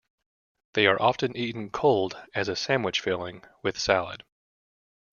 They are often eaten cold as a sandwich filling, with salad.